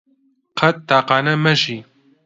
قەت تاقانە مەژی